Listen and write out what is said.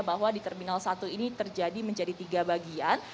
bahwa di terminal satu ini terjadi menjadi tiga bagian